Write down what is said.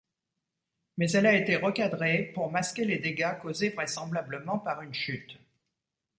Mais elle a été recadrée, pour masquer les dégâts causés vraisemblablement par une chute.